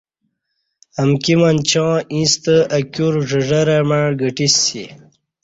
امکی منچاں اِییݩستہ اہ کیور ژژرہ مع گھٹی سی